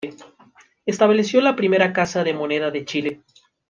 Estableció la primera Casa de Moneda de Chile.